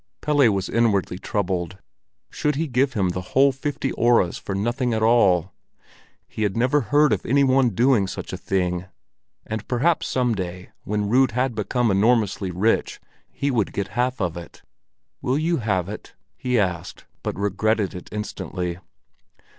Pelle was inwardly troubled. Should he give him the whole fifty öres for nothing at all? He had never heard of any one doing such a thing. And perhaps some day, when Rud had become enormously rich, he would get half of it. "Will you have it?" he asked, but regretted it instantly.